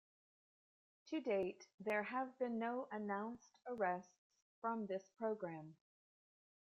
To date, there have been no announced arrests from this program.